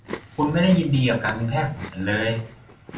คุณไม่ได้ยินดีกับการเป็นแพทย์ของฉันเลย